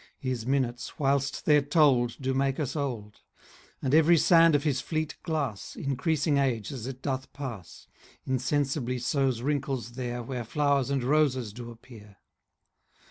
His minutes, whilst they're told, Do make us old; And every sand of his fleet glass, Increasing age as it doth pass, 10 Insensibly sows wrinkles there Where flowers and roses do appear.